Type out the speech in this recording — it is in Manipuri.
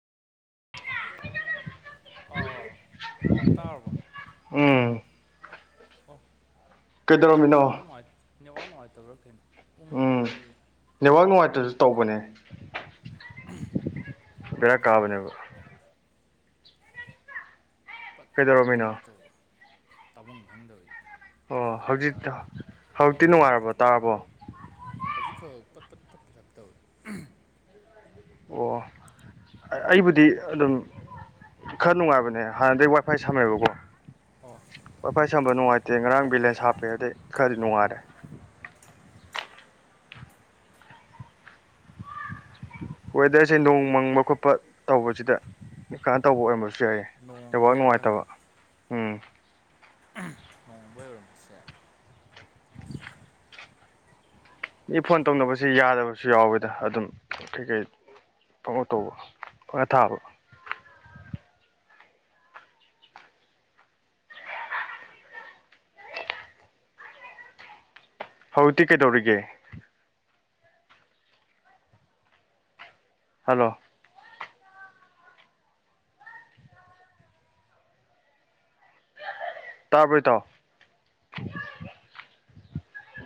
[unintelligible] ꯑ ꯑꯣ ꯇꯥꯔꯕꯣ ꯎꯝ ꯑꯣ ꯅꯦꯠꯋꯥꯥꯛ ꯀꯩꯗꯧꯔꯝꯃꯤꯅꯣ ꯅꯨꯡꯉꯥꯏ ꯅꯦꯠꯋꯥꯛ ꯅꯨꯡꯉꯥꯏꯇꯕ꯭ꯔꯥ ꯀꯩꯅꯣ ꯎꯪꯔ ꯎꯝ ꯂꯩ ꯅꯦꯠꯋꯥꯛ ꯅꯨꯡꯉꯥꯏꯇꯔꯁꯨ ꯇꯧꯕꯅꯦ [unintelligible] ꯕꯦꯔꯥ ꯀꯥꯕꯅꯦꯕ ꯄꯠ ꯄꯠ ꯀꯩꯗꯧꯔꯝꯃꯤꯅꯣ ꯇꯠꯄꯗꯥꯏ ꯇꯧꯕ ꯋꯥꯟ ꯇꯥꯕꯝ ꯈꯪꯗꯕꯩ ꯑꯣ ꯍꯧꯖꯤꯛ ꯍꯧꯖꯤꯛꯇꯤ ꯅꯨꯡꯉꯥꯏꯔꯕꯣ ꯇꯥꯔꯕꯣ ꯍꯧꯖꯤꯛꯈꯛ ꯄꯠ ꯄꯠ ꯇꯠꯄꯩ ꯇꯥꯏ ꯇꯧꯋꯤ ꯑꯣ ꯑꯩꯕꯨꯗꯤ ꯑꯗꯨꯝ ꯈꯔ ꯅꯨꯡꯉꯥꯏꯕꯅꯦ ꯍꯥꯟꯅꯗꯩ ꯋꯥꯏꯐꯥꯏ ꯁꯝꯃꯦꯕꯀꯣ ꯑꯣ ꯄꯥꯏꯐꯥꯏ ꯁꯝꯕ ꯅꯨꯡꯉꯥꯏꯇꯦ ꯉꯔꯥꯡ ꯕꯦꯂꯦꯟꯁ ꯍꯥꯞꯄꯦ ꯑꯗꯩ ꯈꯔꯗꯤ ꯅꯨꯡꯉꯥꯏꯔꯦ ꯋꯦꯗꯔꯁꯦ ꯅꯣꯡ ꯃꯪꯕ ꯈꯣꯠꯄ ꯇꯧꯕꯁꯤꯗ ꯀꯅꯣ ꯇꯧꯕ ꯑꯣꯏꯔꯝꯕꯁꯨ ꯌꯥꯏꯌꯦ ꯅꯦꯠꯋꯥꯛ ꯅꯨꯡꯉꯥꯏꯇꯕ ꯎꯝ ꯅꯣꯡ ꯃꯪꯕꯩ ꯑꯣꯏꯔꯝꯕꯁꯨ ꯌꯥꯏ ꯃꯤ ꯐꯣꯟ ꯇꯧꯅꯕꯁꯦ ꯌꯥꯗꯕꯁꯨ ꯌꯥꯎꯋꯦꯗ ꯑꯗꯨꯝ ꯀꯩꯀꯩ ꯄꯪꯇꯧ ꯇꯧꯕꯗꯣ ꯄꯪꯇ ꯊꯥꯕ ꯍꯧꯖꯤꯛꯇꯤ ꯀꯩꯗꯧꯔꯤꯒꯦ ꯍꯜꯂꯣ ꯇꯥꯕꯔ ꯏꯇꯥꯎ